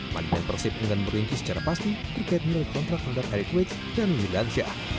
mandiran persib ingin berhenti secara pasti terkait melalui kontrak antar eric putwis dan lugansyah